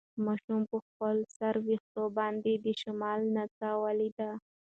ماشوم په خپلو سره وېښتان باندې د شمال نڅا ولیده.